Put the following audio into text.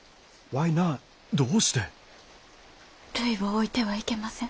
るいを置いては行けません。